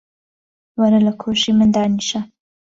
وەرە لە کۆشی من دانیشە.